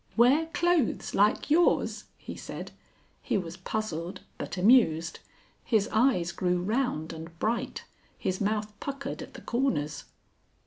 "Wear clothes like yours!" he said. He was puzzled but amused. His eyes grew round and bright, his mouth puckered at the corners.